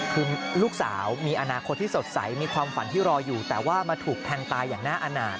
คือลูกสาวมีอนาคตที่สดใสมีความฝันที่รออยู่แต่ว่ามาถูกแทงตายอย่างน่าอาณาจ